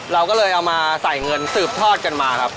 เราก็เลยเอามาใส่เงินสืบทอดกันมาครับ